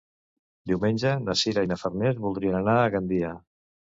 Diumenge na Sira i na Farners voldrien anar a Gandia.